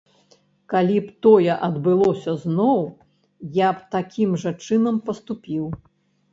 Калі б тое адбылося зноў, я б такім жа чынам паступіў.